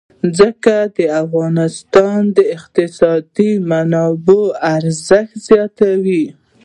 ځمکه د افغانستان د اقتصادي منابعو ارزښت زیاتوي.